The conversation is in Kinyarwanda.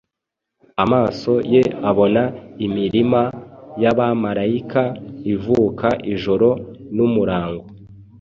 Amaso ye abona imirima y'abamarayika ivuka ijoro n'umurango